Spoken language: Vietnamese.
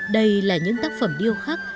đây là những tác phẩm điêu khắc